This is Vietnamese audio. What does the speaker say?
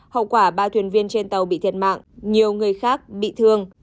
hậu quả ba thuyền viên trên tàu bị thiệt mạng nhiều người khác bị thương